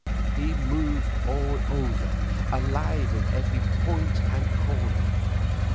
He moved all over, alive in every point and corner.